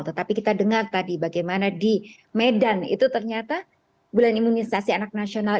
tetapi kita dengar tadi bagaimana di medan itu ternyata bulan imunisasi anak nasional